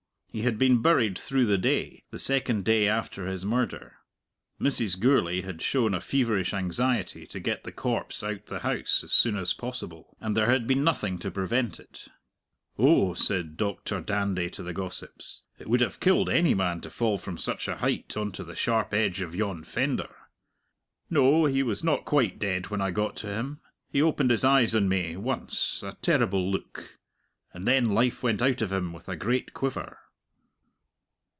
He had been buried through the day, the second day after his murder. Mrs. Gourlay had shown a feverish anxiety to get the corpse out the house as soon as possible; and there had been nothing to prevent it. "Oh," said Doctor Dandy to the gossips, "it would have killed any man to fall from such a height on to the sharp edge of yon fender. No; he was not quite dead when I got to him. He opened his eyes on me, once a terrible look and then life went out of him with a great quiver."